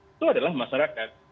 itu adalah masyarakat